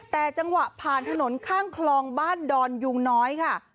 แต่จังหวะผ่านถนนข้างคลองบ้านดอนยุงน้อยค่ะ